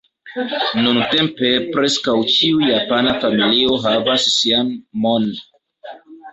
Nuntempe preskaŭ ĉiu japana familio havas sian "mon".